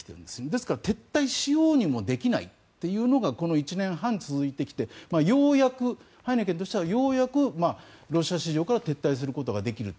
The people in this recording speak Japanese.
ですから撤退しようにもできないというのがこの１年半続いてきてハイネケンとしてはようやくロシア市場から撤退することができると。